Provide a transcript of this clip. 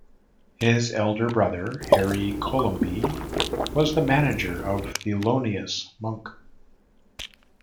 His elder brother, Harry Colomby was the manager of Thelonious Monk.